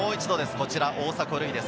こちら、大迫塁です。